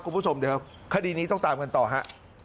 คุณผู้ชมเดี๋ยวคดีนี้ต้องตามกันต่อฮะ